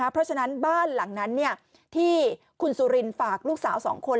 เพราะฉะนั้นบ้านหลังนั้นที่คุณสุรินฝากลูกสาว๒คน